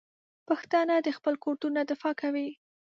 پښتانه د خپل کلتور نه دفاع کوي.